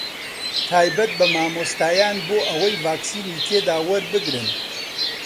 تایبەت بە مامۆستایان بۆ ئەوەی ڤاکسینی تێدا وەربگرن